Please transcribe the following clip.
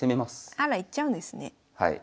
あら行っちゃうんですね。